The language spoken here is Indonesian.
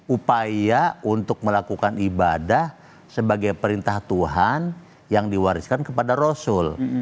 upaya untuk melakukan ibadah sebagai perintah tuhan yang diwariskan kepada rasul